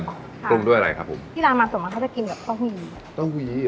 ปรุงด้วยอะไรครับผมที่ร้านมาส่งมาเขาจะกินแบบเต้าหู้เต้าหู้